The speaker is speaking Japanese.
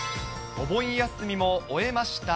お盆休みも終えました